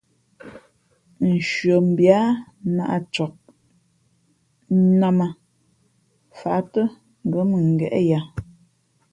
Nshʉαmbhi á nāʼ cak, nnām ā, fǎʼ tά ngα̌ mʉngéʼ yǎ.